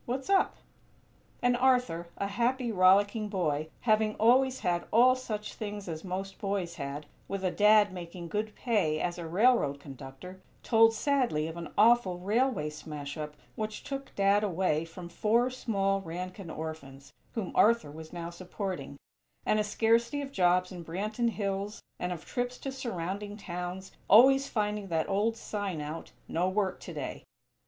What's up?" And Arthur, a happy, rollicking boy, having always had all such things as most boys had, with a Dad making good pay as a railroad conductor, told sadly of an awful railway smash up which took "Dad" away from four small Rankin orphans, whom Arthur was now supporting; and a scarcity of jobs in Branton Hills and of trips to surrounding towns, always finding that old sign out: "No Work Today."